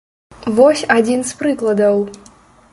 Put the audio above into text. Вось адзін з прыкладаў.